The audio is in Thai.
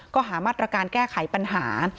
ก็หามาตรการแก้ไขปัญหา